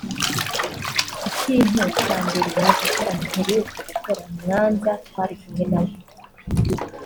Ikintu cya mbere igiterane mperuka gukora Mwanza twari kumwe nawe